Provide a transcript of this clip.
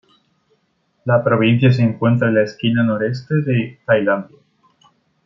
La provincia se encuentra en la esquina noreste de Tailandia.